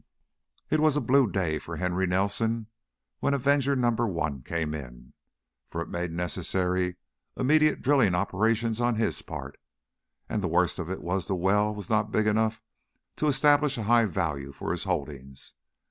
It was a blue day for Henry Nelson when Avenger Number One came in, for it made necessary immediate drilling operations on his part. And the worst of it was the well was not big enough to establish a high value for his holdings.